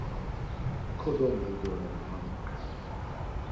Kodomdu doren nanak!